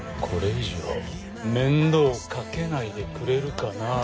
これ以上面倒かけないでくれるかな？